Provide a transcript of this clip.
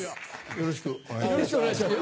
よろしくお願いします。